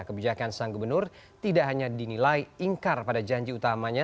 kebijakan sang gubernur tidak hanya dinilai ingkar pada janji utamanya